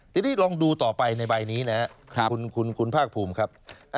ทีนี้ลองดูต่อไปในใบนี้นะครับคุณภาคภูมิครับ